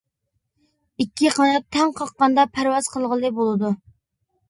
ئىككى قانات تەڭ قاققاندا پەرۋاز قىلغىلى بولىدۇ.